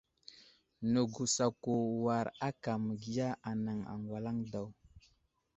Nəgusako war aka ma məgiya anaŋ aŋgwalaŋ daw.